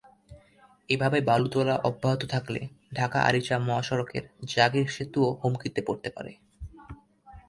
এভাবে বালু তোলা অব্যাহত থাকলে ঢাকা-আরিচা মহাসড়কের জাগীর সেতুও হুমকিতে পড়তে পারে।